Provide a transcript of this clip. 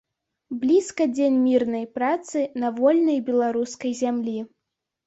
Блізка дзень мірнай працы на вольнай беларускай зямлі.